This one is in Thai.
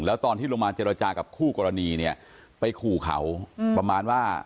แล้วตอนที่ลงมาเจรจากับคู่กรณีเนี่ยไปขู่เขาประมาณว่า